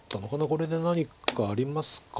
これで何かありますか？